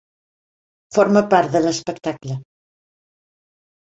Forma part de l'espectacle.